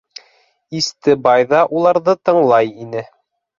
Истебай ҙа уларҙы тыңлай ине.